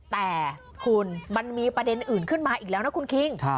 แต่คุณมันมีประเด็นอื่นขึ้นมาอีกแล้วนะคุณคิง